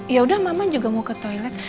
yaudah mama juga mau ke toilet